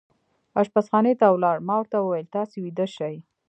اشپزخانې ته ولاړ، ما ورته وویل: تاسې ویده شئ.